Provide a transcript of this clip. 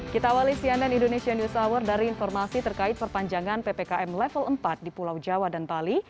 kita awali cnn indonesia news hour dari informasi terkait perpanjangan ppkm level empat di pulau jawa dan bali